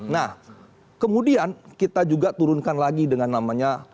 nah kemudian kita juga turunkan lagi dengan namanya